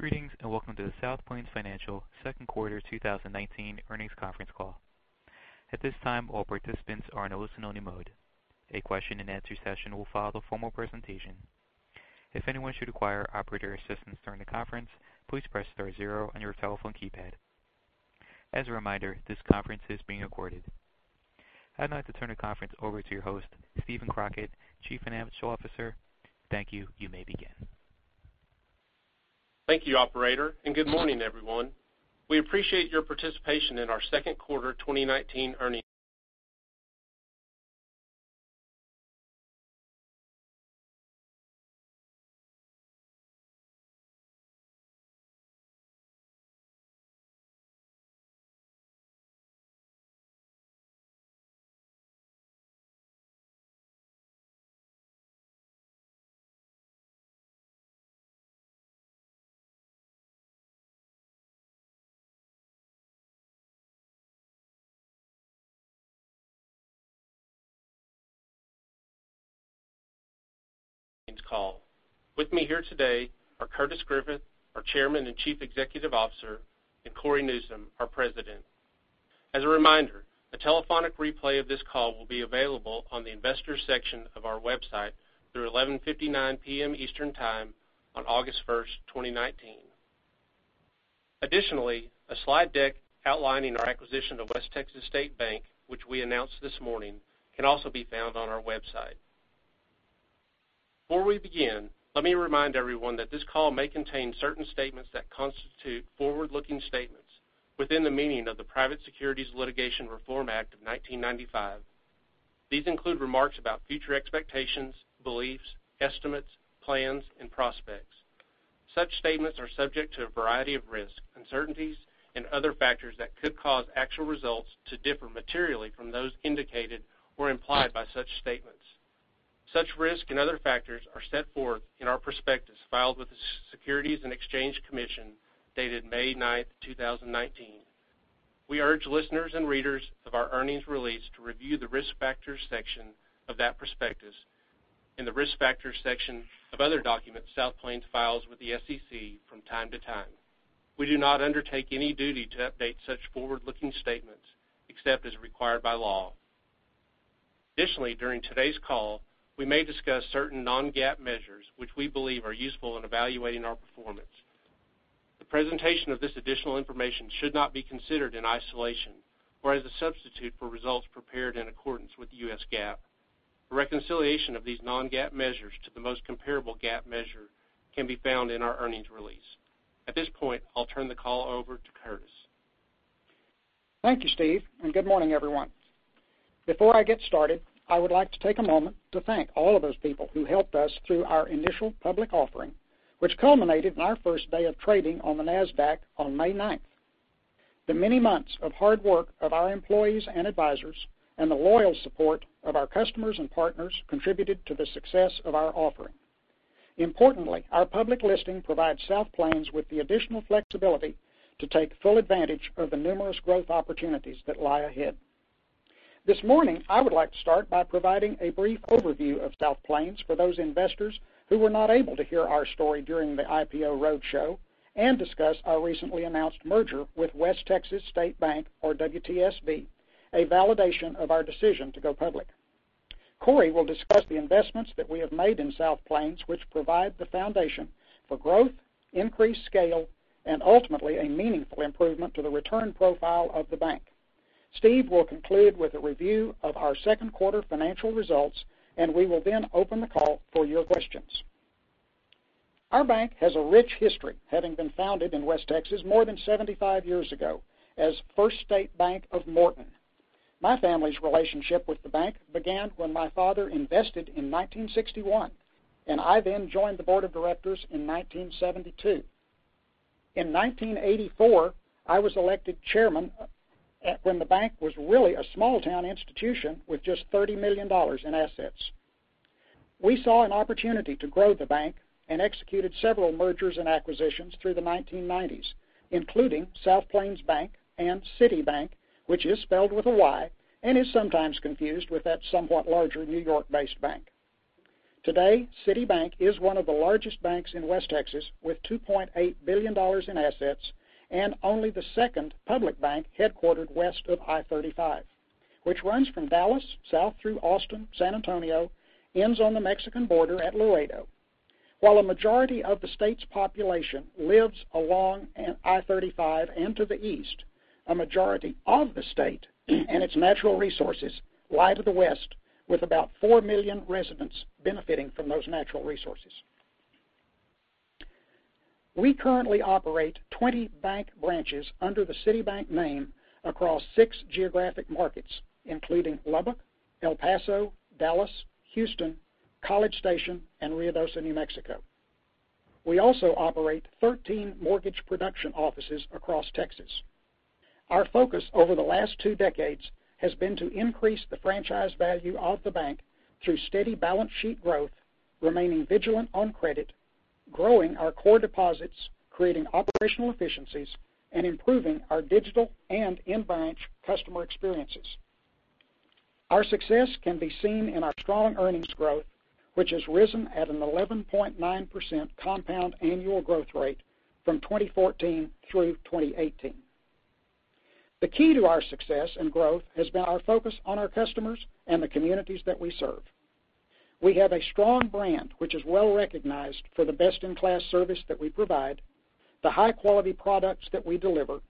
Greetings, welcome to the South Plains Financial second quarter 2019 earnings conference call. At this time, all participants are in a listen-only mode. A question and answer session will follow the formal presentation. If anyone should require operator assistance during the conference, please press star zero on your telephone keypad. As a reminder, this conference is being recorded. I'd like to turn the conference over to your host, Steven Crockett, Chief Financial Officer. Thank you. You may begin. Thank you, operator. Good morning, everyone. We appreciate your participation in our second quarter 2019 earnings call. With me here today are Curtis Griffith, our Chairman and Chief Executive Officer, and Cory Newsom, our President. As a reminder, a telephonic replay of this call will be available on the investors section of our website through 11:59 P.M. Eastern Time on August 1st, 2019. Additionally, a slide deck outlining our acquisition of West Texas State Bank, which we announced this morning, can also be found on our website. Before we begin, let me remind everyone that this call may contain certain statements that constitute forward-looking statements within the meaning of the Private Securities Litigation Reform Act of 1995. These include remarks about future expectations, beliefs, estimates, plans, and prospects. Such statements are subject to a variety of risks, uncertainties, and other factors that could cause actual results to differ materially from those indicated or implied by such statements. Such risk and other factors are set forth in our prospectus filed with the Securities and Exchange Commission, dated May 9th, 2019. We urge listeners and readers of our earnings release to review the Risk Factors section of that prospectus and the Risk Factors section of other documents South Plains files with the SEC from time to time. We do not undertake any duty to update such forward-looking statements except as required by law. Additionally, during today's call, we may discuss certain non-GAAP measures which we believe are useful in evaluating our performance. The presentation of this additional information should not be considered in isolation or as a substitute for results prepared in accordance with US GAAP. A reconciliation of these non-GAAP measures to the most comparable GAAP measure can be found in our earnings release. At this point, I'll turn the call over to Curtis. Thank you, Steve, and good morning, everyone. Before I get started, I would like to take a moment to thank all of those people who helped us through our initial public offering, which culminated in our first day of trading on the Nasdaq on May 9th. The many months of hard work of our employees and advisors and the loyal support of our customers and partners contributed to the success of our offering. Importantly, our public listing provides South Plains with the additional flexibility to take full advantage of the numerous growth opportunities that lie ahead. This morning, I would like to start by providing a brief overview of South Plains for those investors who were not able to hear our story during the IPO roadshow and discuss our recently announced merger with West Texas State Bank, or WTSB, a validation of our decision to go public. Cory will discuss the investments that we have made in South Plains, which provide the foundation for growth, increased scale, and ultimately, a meaningful improvement to the return profile of the bank. Steven will conclude with a review of our second quarter financial results, and we will then open the call for your questions. Our bank has a rich history, having been founded in West Texas more than 75 years ago as First State Bank of Morton. My family's relationship with the bank began when my father invested in 1961, and I then joined the board of directors in 1972. In 1984, I was elected chairman, when the bank was really a small-town institution with just $30 million in assets. We saw an opportunity to grow the bank and executed several mergers and acquisitions through the 1990s, including South Plains Bank and City Bank, which is spelled with a Y and is sometimes confused with that somewhat larger New York-based bank. Today, City Bank is one of the largest banks in West Texas, with $2.8 billion in assets and only the second public bank headquartered west of I-35, which runs from Dallas, south through Austin, San Antonio, ends on the Mexican border at Laredo. While a majority of the state's population lives along I-35 and to the east, a majority of the state and its natural resources lie to the west, with about four million residents benefiting from those natural resources. We currently operate 20 bank branches under the City Bank name across six geographic markets, including Lubbock, El Paso, Dallas, Houston, College Station, and Ruidoso, New Mexico. We also operate 13 mortgage production offices across Texas. Our focus over the last two decades has been to increase the franchise value of the bank through steady balance sheet growth, remaining vigilant on credit, growing our core deposits, creating operational efficiencies, and improving our digital and in-branch customer experiences. Our success can be seen in our strong earnings growth, which has risen at an 11.9% compound annual growth rate from 2014 through 2018. The key to our success and growth has been our focus on our customers and the communities that we serve. We have a strong brand which is well-recognized for the best-in-class service that we provide, the high-quality products that we deliver,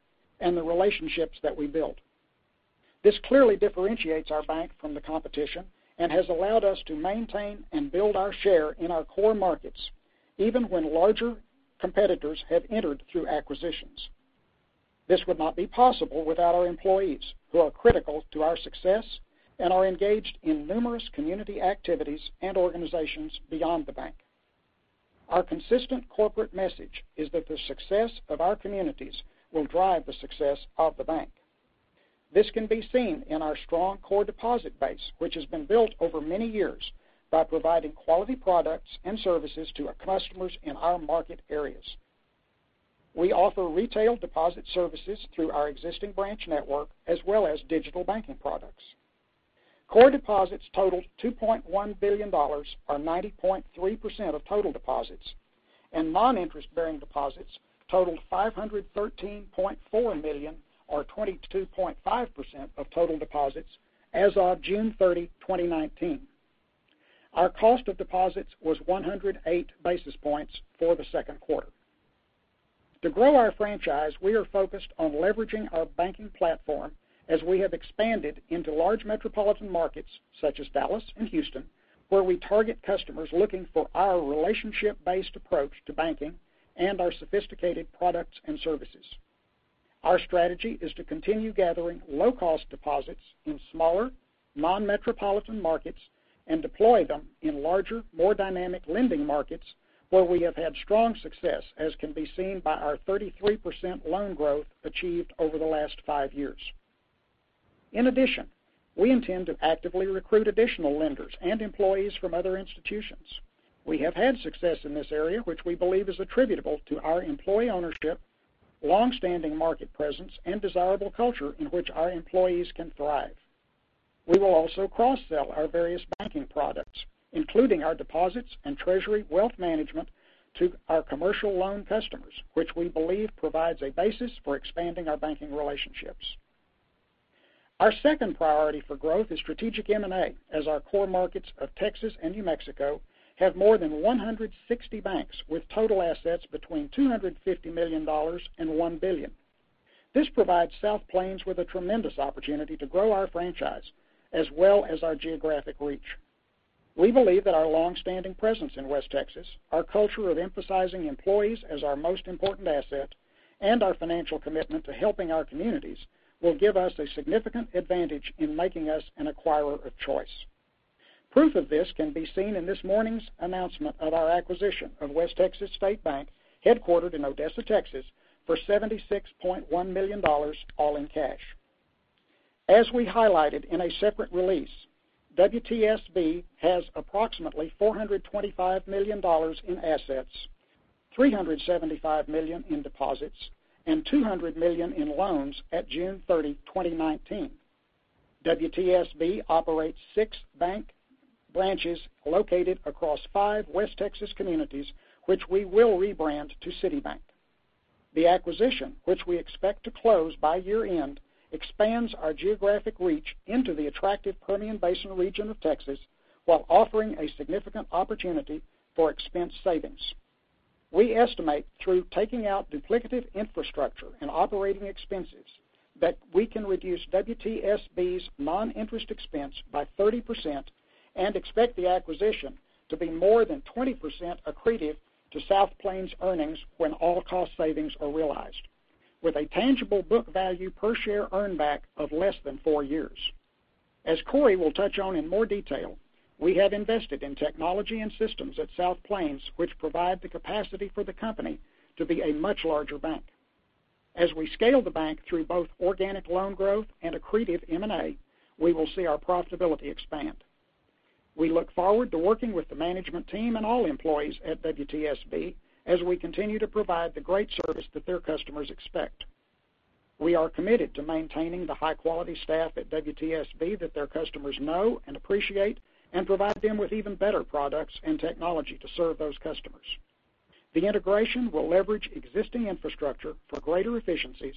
and the relationships that we build. This clearly differentiates our bank from the competition and has allowed us to maintain and build our share in our core markets, even when larger competitors have entered through acquisitions. This would not be possible without our employees, who are critical to our success and are engaged in numerous community activities and organizations beyond the bank. Our consistent corporate message is that the success of our communities will drive the success of the bank. This can be seen in our strong core deposit base, which has been built over many years by providing quality products and services to our customers in our market areas. We offer retail deposit services through our existing branch network as well as digital banking products. Core deposits totaled $2.1 billion, or 90.3% of total deposits, and non-interest-bearing deposits totaled $513.4 million, or 22.5% of total deposits as of June 30, 2019. Our cost of deposits was 108 basis points for the second quarter. To grow our franchise, we are focused on leveraging our banking platform as we have expanded into large metropolitan markets such as Dallas and Houston, where we target customers looking for our relationship-based approach to banking and our sophisticated products and services. Our strategy is to continue gathering low-cost deposits in smaller, non-metropolitan markets and deploy them in larger, more dynamic lending markets, where we have had strong success, as can be seen by our 33% loan growth achieved over the last five years. In addition, we intend to actively recruit additional lenders and employees from other institutions. We have had success in this area, which we believe is attributable to our employee ownership, long-standing market presence, and desirable culture in which our employees can thrive. We will also cross-sell our various banking products, including our deposits and treasury wealth management, to our commercial loan customers, which we believe provides a basis for expanding our banking relationships. Our second priority for growth is strategic M&A as our core markets of Texas and New Mexico have more than 160 banks with total assets between $250 million and $1 billion. This provides South Plains with a tremendous opportunity to grow our franchise as well as our geographic reach. We believe that our long-standing presence in West Texas, our culture of emphasizing employees as our most important asset, and our financial commitment to helping our communities will give us a significant advantage in making us an acquirer of choice. Proof of this can be seen in this morning's announcement of our acquisition of West Texas State Bank, headquartered in Odessa, Texas, for $76.1 million, all in cash. As we highlighted in a separate release, WTSB has approximately $425 million in assets, $375 million in deposits, and $200 million in loans at June 30, 2019. WTSB operates six bank branches located across five West Texas communities, which we will rebrand to City Bank. The acquisition, which we expect to close by year-end, expands our geographic reach into the attractive Permian Basin region of Texas while offering a significant opportunity for expense savings. We estimate through taking out duplicative infrastructure and operating expenses that we can reduce WTSB's non-interest expense by 30% and expect the acquisition to be more than 20% accretive to South Plains earnings when all cost savings are realized, with a tangible book value per share earn back of less than four years. As Cory will touch on in more detail, we have invested in technology and systems at South Plains which provide the capacity for the company to be a much larger bank. As we scale the bank through both organic loan growth and accretive M&A, we will see our profitability expand. We look forward to working with the management team and all employees at WTSB as we continue to provide the great service that their customers expect. We are committed to maintaining the high-quality staff at WTSB that their customers know and appreciate and provide them with even better products and technology to serve those customers. The integration will leverage existing infrastructure for greater efficiencies,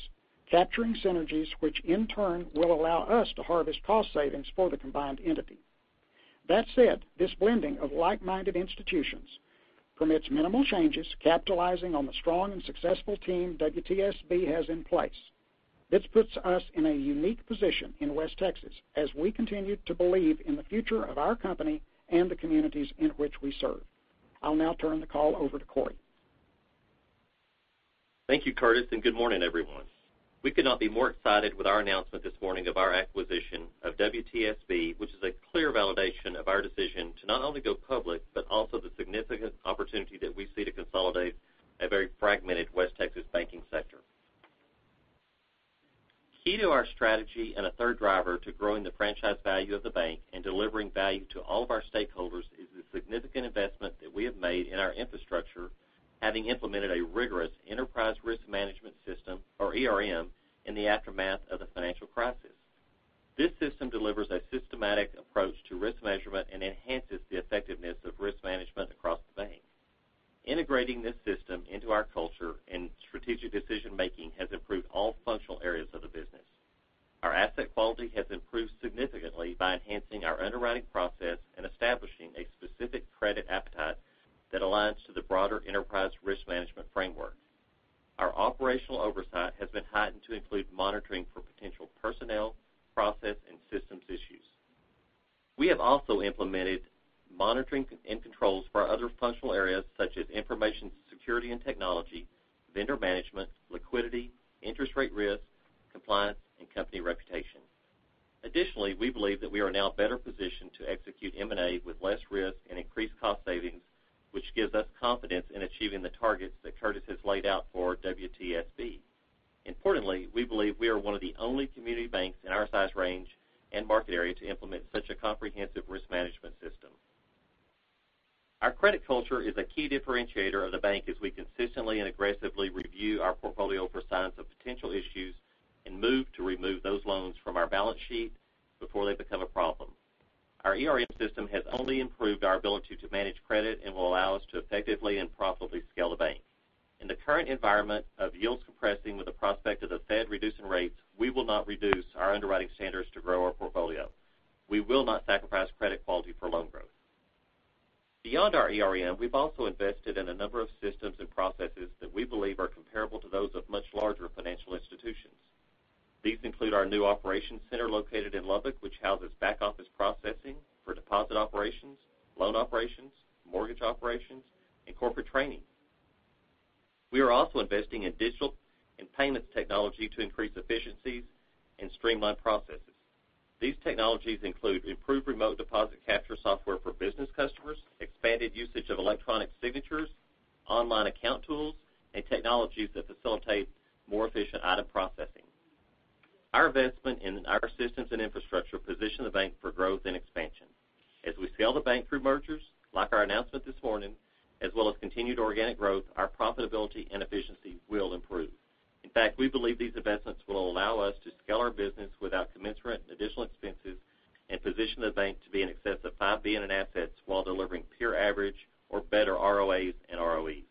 capturing synergies, which in turn will allow us to harvest cost savings for the combined entity. That said, this blending of like-minded institutions permits minimal changes, capitalizing on the strong and successful team WTSB has in place. This puts us in a unique position in West Texas as we continue to believe in the future of our company and the communities in which we serve. I'll now turn the call over to Cory. Thank you, Curtis, and good morning, everyone. We could not be more excited with our announcement this morning of our acquisition of WTSB, which is a clear validation of our decision to not only go public, but also the significant opportunity that we see to consolidate a very fragmented West Texas banking sector. Key to our strategy and a third driver to growing the franchise value of the bank and delivering value to all of our stakeholders is the significant investment that we have made in our infrastructure. Having implemented a rigorous enterprise risk management system, or ERM, in the aftermath of the financial crisis. This system delivers a systematic approach to risk measurement and enhances the effectiveness of risk management across the bank. Integrating this Beyond our ERM, we've also invested in a number of systems and processes that we believe are comparable to those of much larger financial institutions. These include our new operations center located in Lubbock, which houses back-office processing for deposit operations, loan operations, mortgage operations, and corporate training. We are also investing in digital and payments technology to increase efficiencies and streamline processes. These technologies include improved remote deposit capture software for business customers, expanded usage of electronic signatures, online account tools, and technologies that facilitate more efficient item processing. Our investment in our systems and infrastructure position the bank for growth and expansion. As we scale the bank through mergers, like our announcement this morning, as well as continued organic growth, our profitability and efficiency will improve. In fact, we believe these investments will allow us to scale our business without commensurate and additional expenses and position the bank to be in excess of $5 billion in assets while delivering peer average or better ROAs and ROEs.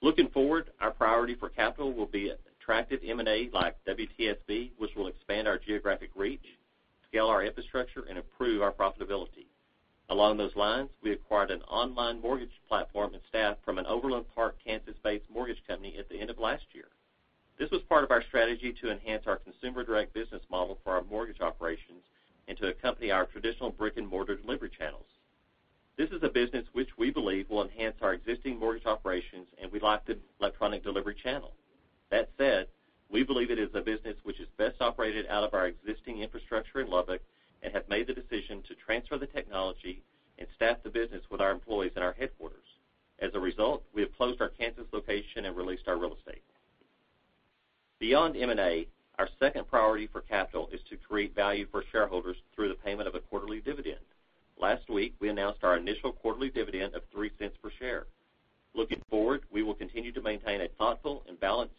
Looking forward, our priority for capital will be attractive M&A like WTSB, which will expand our geographic reach, scale our infrastructure, and improve our profitability. Along those lines, we acquired an online mortgage platform and staff from an Overland Park, Kansas-based mortgage company at the end of last year. This was part of our strategy to enhance our consumer-direct business model for our mortgage operations and to accompany our traditional brick-and-mortar delivery channels. This is a business which we believe will enhance our existing mortgage operations and we like the electronic delivery channel. That said, we believe it is a business which is best operated out of our existing infrastructure in Lubbock and have made the decision to transfer the technology and staff the business with our employees at our headquarters. As a result, we have closed our Kansas location and released our real estate. Beyond M&A, our second priority for capital is to create value for shareholders through the payment of a quarterly dividend. Last week, we announced our initial quarterly dividend of $0.03 per share. Looking forward, we will continue to maintain a thoughtful and balanced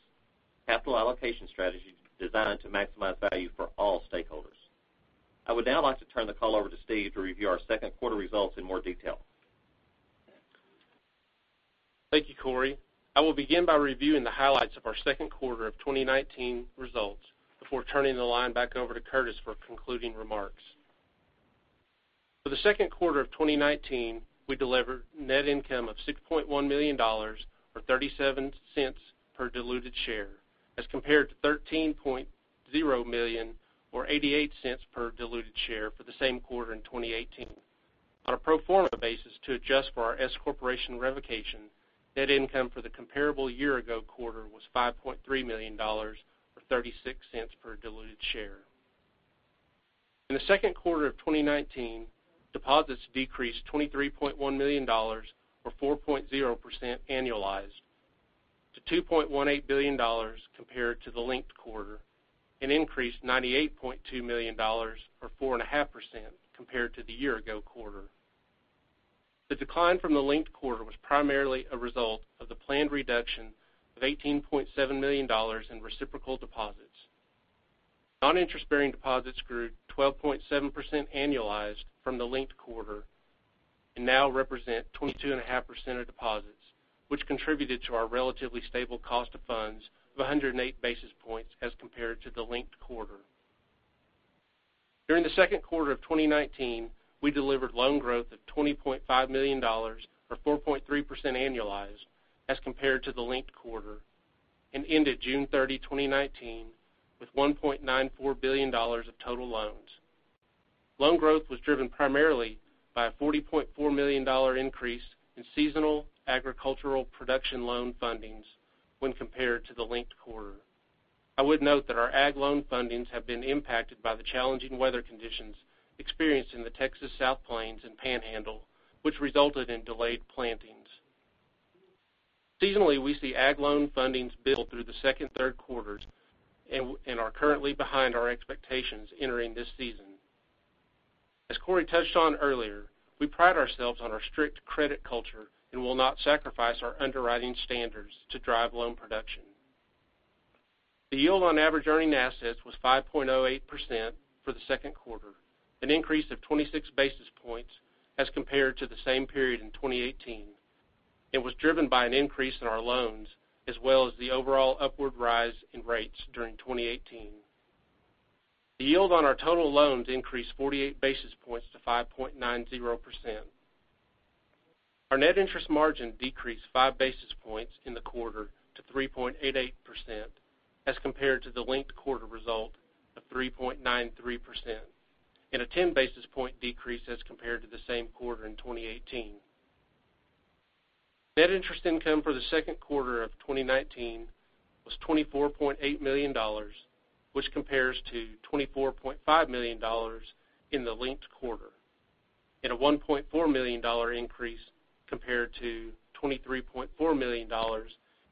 capital allocation strategy designed to maximize value for all stakeholders. I would now like to turn the call over to Steve to review our second quarter results in more detail. Thank you, Cory. I will begin by reviewing the highlights of our second quarter of 2019 results before turning the line back over to Curtis for concluding remarks. For the second quarter of 2019, we delivered net income of $6.1 million, or $0.37 per diluted share, as compared to $13.0 million, or $0.88 per diluted share for the same quarter in 2018. On a pro forma basis to adjust for our S corporation revocation, net income for the comparable year-ago quarter was $5.3 million, or $0.36 per diluted share. In the second quarter of 2019, deposits decreased $23.1 million, or 4.0% annualized to $2.18 billion compared to the linked quarter, and increased $98.2 million or 4.5% compared to the year-ago quarter. The decline from the linked quarter was primarily a result of the planned reduction of $18.7 million in reciprocal deposits. Non-interest-bearing deposits grew 12.7% annualized from the linked quarter and now represent 22.5% of deposits, which contributed to our relatively stable cost of funds of 108 basis points as compared to the linked quarter. During the second quarter of 2019, we delivered loan growth of $20.5 million, or 4.3% annualized as compared to the linked quarter, and ended June 30, 2019, with $1.94 billion of total loans. Loan growth was driven primarily by a $40.4 million increase in seasonal agricultural production loan fundings when compared to the linked quarter. I would note that our ag loan fundings have been impacted by the challenging weather conditions experienced in the Texas South Plains and Panhandle, which resulted in delayed plantings. Seasonally, we see ag loan fundings build through the second and third quarters and are currently behind our expectations entering this season. As Cory touched on earlier, we pride ourselves on our strict credit culture and will not sacrifice our underwriting standards to drive loan production. The yield on average earning assets was 5.08% for the second quarter, an increase of 26 basis points as compared to the same period in 2018. It was driven by an increase in our loans as well as the overall upward rise in rates during 2018. The yield on our total loans increased 48 basis points to 5.90%. Our net interest margin decreased five basis points in the quarter to 3.88% as compared to the linked quarter result of 3.93%, and a 10 basis point decrease as compared to the same quarter in 2018. Net interest income for the second quarter of 2019 was $24.8 million, which compares to $24.5 million in the linked quarter, and a $1.4 million increase compared to $23.4 million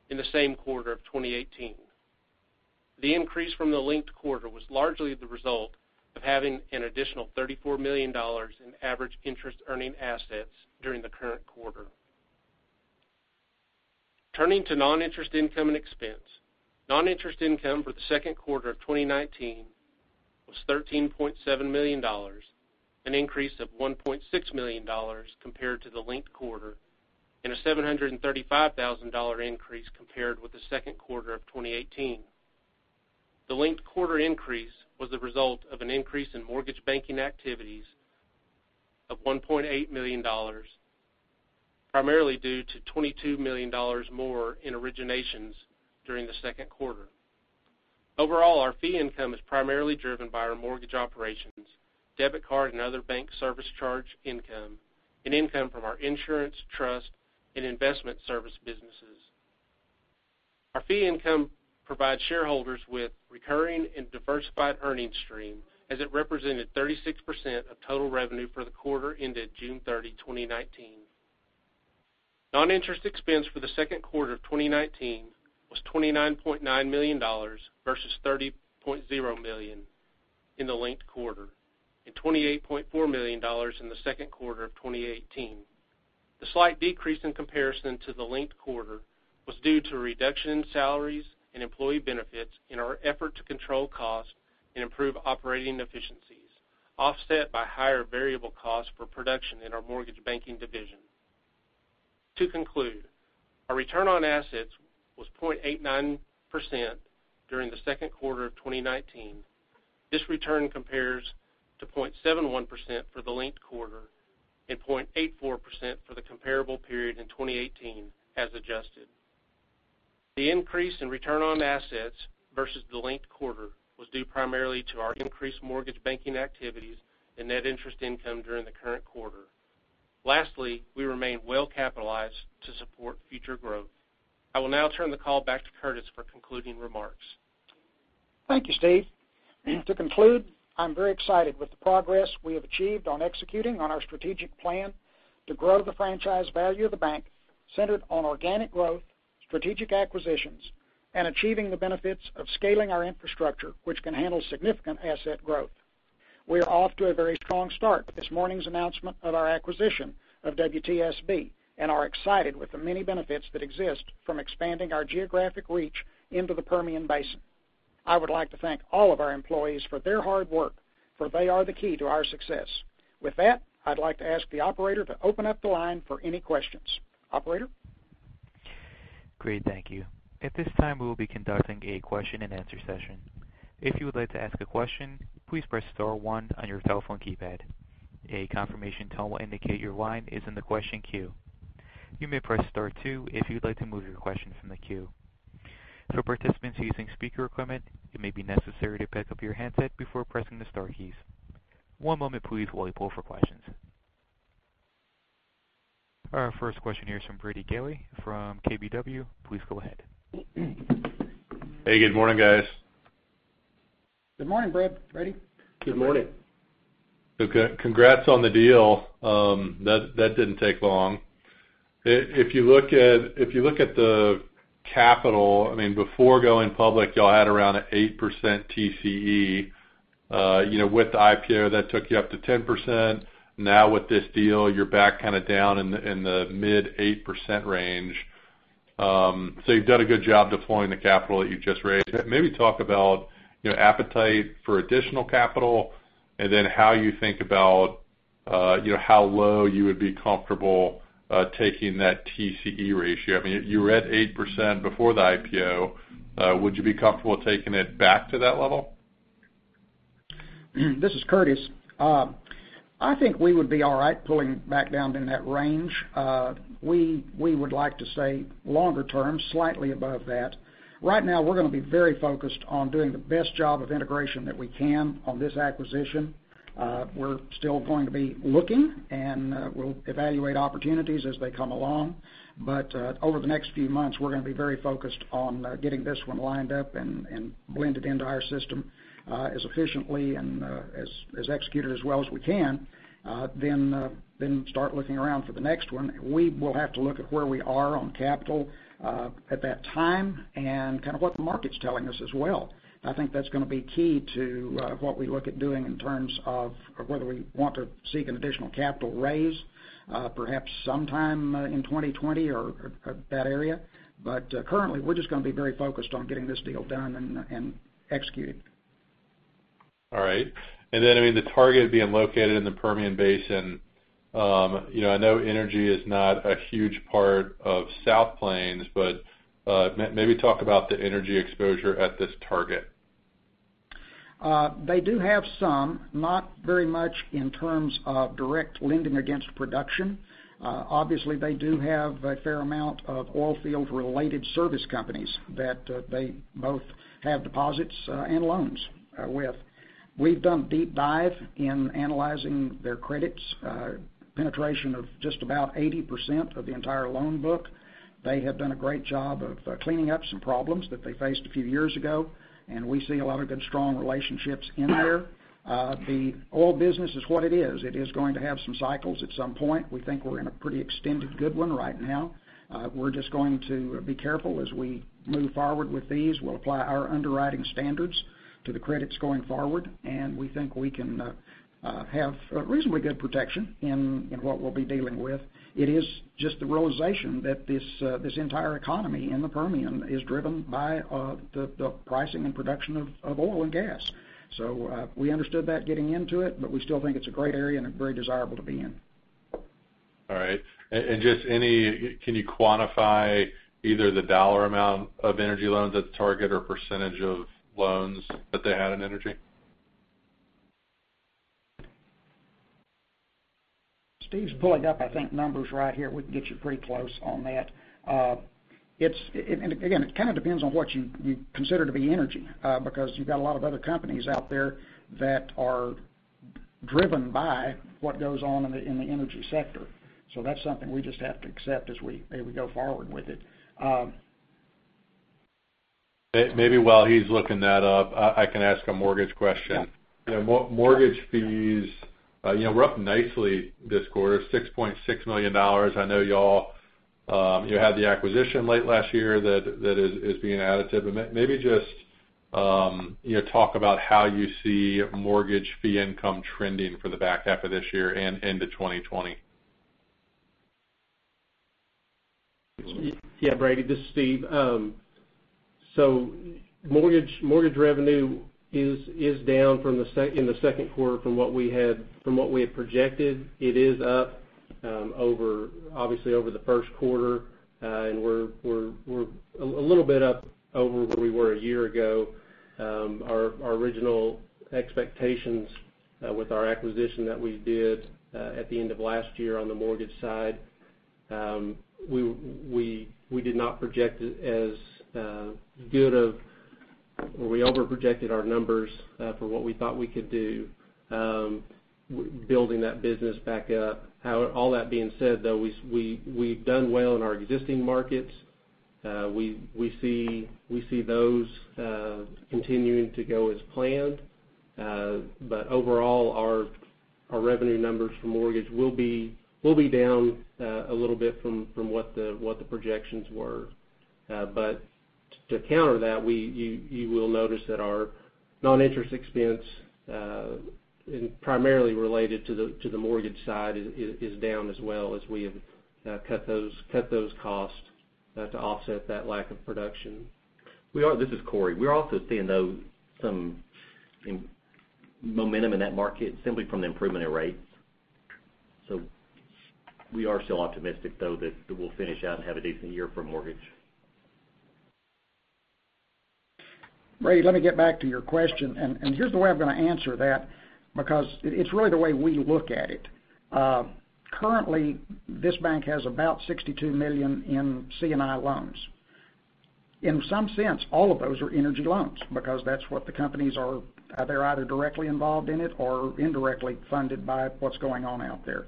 in the same quarter of 2018. The increase from the linked quarter was largely the result of having an additional $34 million in average interest earning assets during the current quarter. Turning to non-interest income and expense. Non-interest income for the second quarter of 2019 was $13.7 million, an increase of $1.6 million compared to the linked quarter, and a $735,000 increase compared with the second quarter of 2018. The linked quarter increase was the result of an increase in mortgage banking activities of $1.8 million, primarily due to $22 million more in originations during the second quarter. Overall, our fee income is primarily driven by our mortgage operations, debit card, and other bank service charge income, and income from our insurance, trust, and investment service businesses. Our fee income provides shareholders with recurring and diversified earnings stream, as it represented 36% of total revenue for the quarter ended June 30, 2019. Non-interest expense for the second quarter of 2019 was $29.9 million versus $30.0 million in the linked quarter, and $28.4 million in the second quarter of 2018. The slight decrease in comparison to the linked quarter was due to a reduction in salaries and employee benefits in our effort to control costs and improve operating efficiencies, offset by higher variable costs for production in our mortgage banking division. To conclude, our return on assets was 0.89% during the second quarter of 2019. This return compares to 0.71% for the linked quarter and 0.84% for the comparable period in 2018 as adjusted. The increase in return on assets versus the linked quarter was due primarily to our increased mortgage banking activities and net interest income during the current quarter. Lastly, we remain well capitalized to support future growth. I will now turn the call back to Curtis for concluding remarks. Thank you, Steve. To conclude, I'm very excited with the progress we have achieved on executing on our strategic plan to grow the franchise value of the bank centered on organic growth, strategic acquisitions, and achieving the benefits of scaling our infrastructure, which can handle significant asset growth. We are off to a very strong start with this morning's announcement of our acquisition of WTSB and are excited with the many benefits that exist from expanding our geographic reach into the Permian Basin. I would like to thank all of our employees for their hard work, for they are the key to our success. With that, I'd like to ask the operator to open up the line for any questions. Operator? Great. Thank you. At this time, we will be conducting a question and answer session. If you would like to ask a question, please press star 1 on your telephone keypad. A confirmation tone will indicate your line is in the question queue. You may press star 2 if you'd like to move your question from the queue. For participants using speaker equipment, it may be necessary to pick up your handset before pressing the star keys. One moment please while we poll for questions. Our first question here is from Brady Gailey from KBW. Please go ahead. Hey, good morning, guys. Good morning, Brad. Ready? Good morning. Okay. Congrats on the deal. That didn't take long. If you look at the capital, before going public, y'all had around an 8% TCE. With the IPO, that took you up to 10%. Now with this deal, you're back kind of down in the mid 8% range. You've done a good job deploying the capital that you just raised. Maybe talk about your appetite for additional capital and then how you think about how low you would be comfortable taking that TCE ratio. You were at 8% before the IPO. Would you be comfortable taking it back to that level? This is Curtis. I think we would be all right pulling back down in that range. We would like to say longer term, slightly above that. Right now, we're going to be very focused on doing the best job of integration that we can on this acquisition. We're still going to be looking, and we'll evaluate opportunities as they come along. Over the next few months, we're going to be very focused on getting this one lined up and blended into our system as efficiently and as executed as well as we can, then start looking around for the next one. We will have to look at where we are on capital at that time and kind of what the market's telling us as well. I think that's going to be key to what we look at doing in terms of whether we want to seek an additional capital raise perhaps sometime in 2020 or that area. Currently, we're just going to be very focused on getting this deal done and executed. All right. The target being located in the Permian Basin. I know energy is not a huge part of South Plains, maybe talk about the energy exposure at this target. They do have some, not very much in terms of direct lending against production. Obviously, they do have a fair amount of oil field-related service companies that they both have deposits and loans with. We've done deep dive in analyzing their credits, penetration of just about 80% of the entire loan book. They have done a great job of cleaning up some problems that they faced a few years ago, and we see a lot of good, strong relationships in there. The oil business is what it is. It is going to have some cycles at some point. We think we're in a pretty extended good one right now. We're just going to be careful as we move forward with these. We'll apply our underwriting standards to the credits going forward, and we think we can have reasonably good protection in what we'll be dealing with. It is just the realization that this entire economy in the Permian is driven by the pricing and production of oil and gas. We understood that getting into it, but we still think it's a great area and very desirable to be in. All right. Just can you quantify either the dollar amount of energy loans at the target or % of loans that they had in energy? Steve's pulling up, I think, numbers right here. We can get you pretty close on that. Again, it kind of depends on what you consider to be energy, because you've got a lot of other companies out there that are driven by what goes on in the energy sector. That's something we just have to accept as we go forward with it. Maybe while he's looking that up, I can ask a mortgage question. Yeah. Mortgage fees, we're up nicely this quarter, $6.6 million. I know y'all had the acquisition late last year that is being additive. Maybe just talk about how you see mortgage fee income trending for the back half of this year and into 2020. Yeah, Brady, this is Steve. Mortgage revenue is down in the second quarter from what we had projected. It is up, obviously, over the first quarter, and we're a little bit up over where we were a year ago. Our original expectations with our acquisition that we did at the end of last year on the mortgage side, we did not project it as good, or we over-projected our numbers for what we thought we could do, building that business back up. All that being said, though, we've done well in our existing markets. We see those continuing to go as planned. Overall, our revenue numbers for mortgage will be down a little bit from what the projections were. To counter that, you will notice that our non-interest expense, primarily related to the mortgage side, is down as well, as we have cut those costs to offset that lack of production. This is Cory. We're also seeing, though, some momentum in that market simply from the improvement in rates. We are still optimistic, though, that we'll finish out and have a decent year for mortgage. Brady, let me get back to your question. Here's the way I'm going to answer that, because it's really the way we look at it. Currently, this bank has about $62 million in C&I loans. In some sense, all of those are energy loans because that's what the companies are. They're either directly involved in it or indirectly funded by what's going on out there.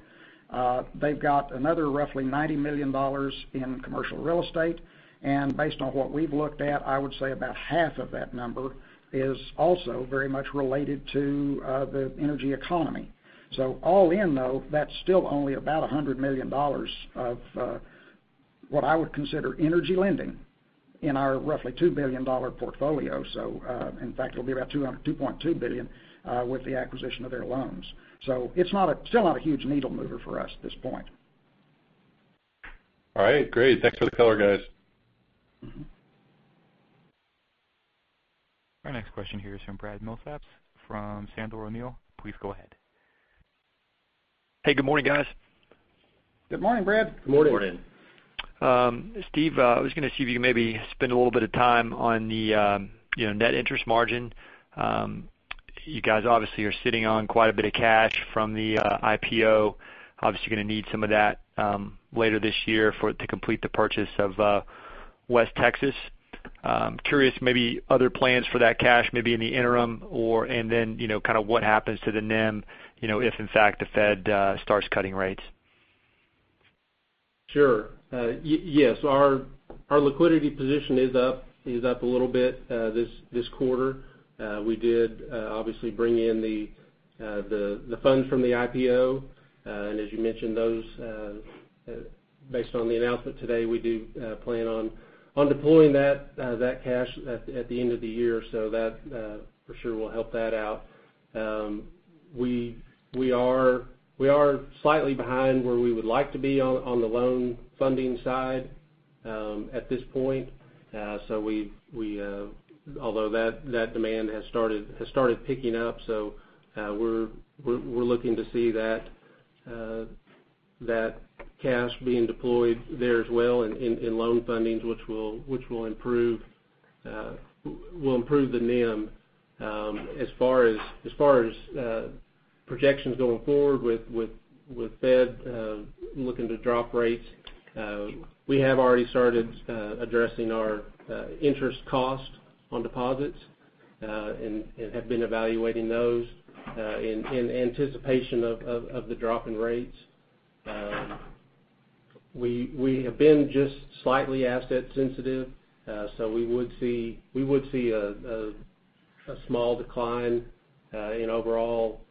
They've got another roughly $90 million in commercial real estate. Based on what we've looked at, I would say about half of that number is also very much related to the energy economy. All in, though, that's still only about $100 million of what I would consider energy lending in our roughly $2 billion portfolio. In fact, it'll be around $2.2 billion with the acquisition of their loans. It's still not a huge needle mover for us at this point. All right. Great. Thanks for the color, guys. Our next question here is from Brad Milsaps from Sandler O'Neill. Please go ahead. Hey, good morning, guys. Good morning, Brad. Good morning. Good morning. Steven, I was going to see if you could maybe spend a little bit of time on the net interest margin. You guys obviously are sitting on quite a bit of cash from the IPO. Obviously, you're going to need some of that later this year to complete the purchase of West Texas. Curious, maybe other plans for that cash maybe in the interim and then, kind of what happens to the NIM if in fact, the Fed starts cutting rates? Sure. Yes, our liquidity position is up a little bit this quarter. We did obviously bring in the funds from the IPO, and as you mentioned, based on the announcement today, we do plan on deploying that cash at the end of the year. That for sure will help that out. We are slightly behind where we would like to be on the loan funding side. At this point, although that demand has started picking up, so we're looking to see that cash being deployed there as well in loan fundings, which will improve the NIM. As far as projections going forward with Fed looking to drop rates, we have already started addressing our interest cost on deposits, and have been evaluating those in anticipation of the drop in rates. We have been just slightly asset sensitive, so we would see a small decline in overall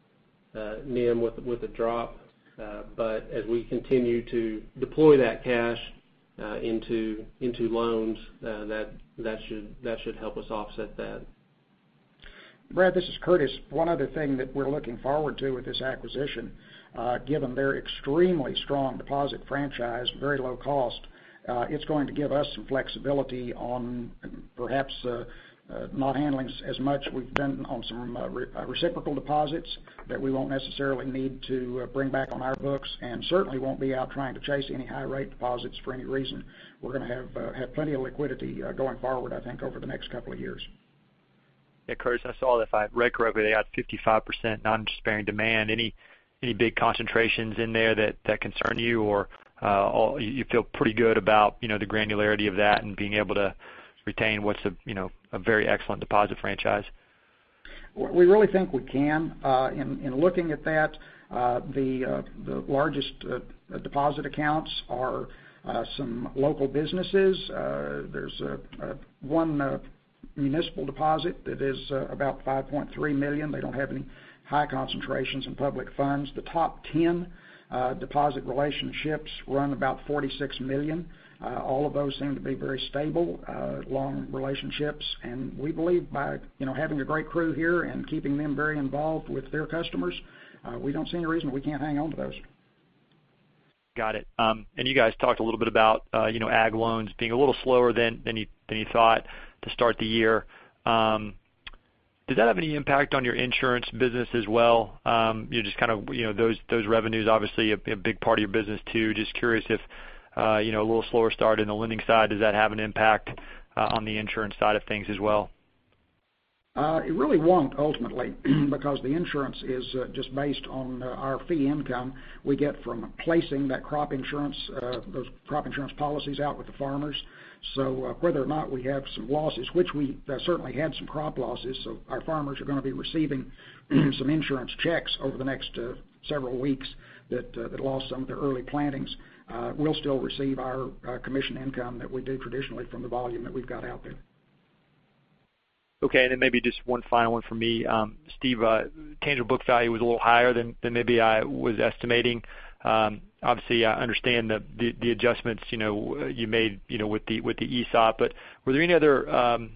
NIM with a drop. As we continue to deploy that cash into loans, that should help us offset that. Brad, this is Curtis. One other thing that we're looking forward to with this acquisition, given their extremely strong deposit franchise, very low cost, it's going to give us some flexibility on perhaps not handling as much. We've been on some reciprocal deposits that we won't necessarily need to bring back on our books, and certainly won't be out trying to chase any high rate deposits for any reason. We're going to have plenty of liquidity going forward, I think, over the next couple of years. Yeah, Curtis, I saw if I read correctly, they had 55% non-interest-bearing demand. Any big concentrations in there that concern you? You feel pretty good about the granularity of that and being able to retain what's a very excellent deposit franchise? We really think we can. In looking at that, the largest deposit accounts are some local businesses. There's one municipal deposit that is about $5.3 million. They don't have any high concentrations in public funds. The top 10 deposit relationships run about $46 million. All of those seem to be very stable, long relationships. We believe by having a great crew here and keeping them very involved with their customers, we don't see any reason we can't hang on to those. Got it. You guys talked a little bit about ag loans being a little slower than you thought to start the year. Did that have any impact on your insurance business as well? Those revenues obviously a big part of your business, too. Just curious if a little slower start in the lending side, does that have an impact on the insurance side of things as well? It really won't ultimately, because the insurance is just based on our fee income we get from placing those crop insurance policies out with the farmers. Whether or not we have some losses, which we certainly had some crop losses. Our farmers are going to be receiving some insurance checks over the next several weeks that lost some of their early plantings. We'll still receive our commission income that we do traditionally from the volume that we've got out there. Okay. Then maybe just one final one from me. Steve, tangible book value was a little higher than maybe I was estimating. Obviously, I understand the adjustments you made with the ESOP, but were there any other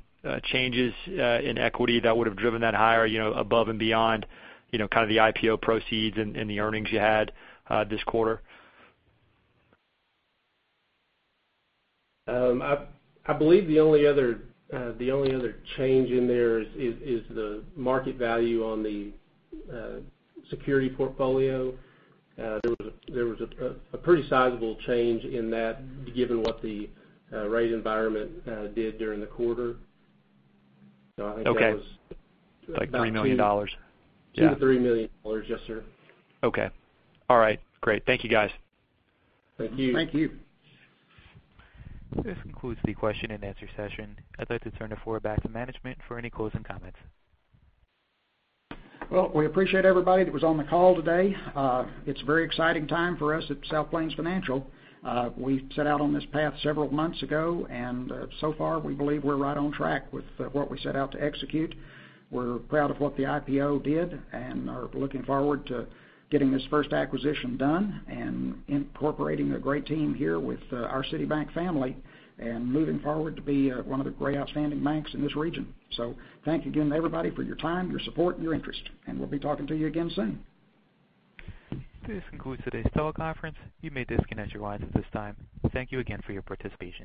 changes in equity that would have driven that higher above and beyond kind of the IPO proceeds and the earnings you had this quarter? I believe the only other change in there is the market value on the security portfolio. There was a pretty sizable change in that given what the rate environment did during the quarter. I think that was. Okay. Like $3 million. $2 million-$3 million. Yes, sir. Okay. All right, great. Thank you guys. Thank you. Thank you. This concludes the question and answer session. I'd like to turn the floor back to management for any closing comments. Well, we appreciate everybody that was on the call today. It's a very exciting time for us at South Plains Financial. We set out on this path several months ago, and so far, we believe we're right on track with what we set out to execute. We're proud of what the IPO did and are looking forward to getting this first acquisition done and incorporating a great team here with our City Bank family and moving forward to be one of the great outstanding banks in this region. Thank you again, everybody, for your time, your support, and your interest, and we'll be talking to you again soon. This concludes today's teleconference. You may disconnect your lines at this time. Thank you again for your participation.